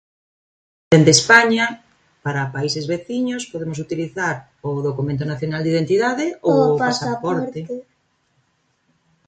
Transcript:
Dende España, para países veciños, podemos utilizar o Documento Nacional de Identidade ou o pasaporte.